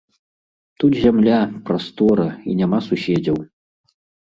Тут зямля, прастора і няма суседзяў.